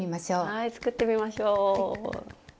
はい作ってみましょう。